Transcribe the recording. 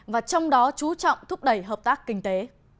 và trong đó chú trọng thúc đẩy hợp tác kinh tế